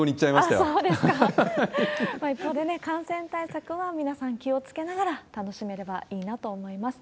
一方で感染対策は皆さん気をつけながら楽しめればいいなと思います。